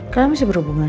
kalian masih berhubungan